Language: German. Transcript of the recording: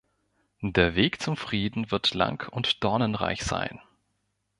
Der Weg zum Frieden wird lang und dornenreich sein.